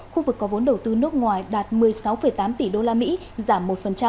khu vực có vốn đầu tư nước ngoài đạt một mươi sáu tám tỷ đô la mỹ giảm một